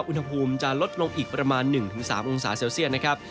อุณหภูมิจะลดลงอีกประมาณ๑๓องศาเซลเซียตนะครับ